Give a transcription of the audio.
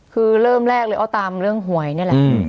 คือเริ่มแรกเลยเอาตามเรื่องหวยนี่แหละ